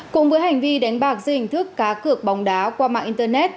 cùng với hành vi đánh bạc dưới hình thức cá cược bóng đá qua mạng internet